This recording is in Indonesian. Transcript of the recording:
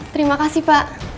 terima kasih pak